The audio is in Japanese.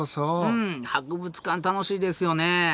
うん博物館楽しいですよね。